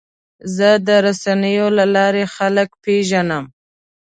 زه د رسنیو له لارې خلک پیژنم.